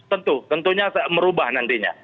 tentu tentunya merubah nantinya